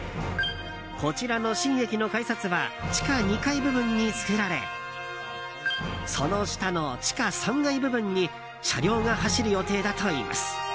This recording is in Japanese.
こちらの新駅の改札は地下２階部分に作られその下の地下３階部分に車両が走る予定だといいます。